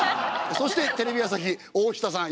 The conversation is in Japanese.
そしてテレビ朝日大下さん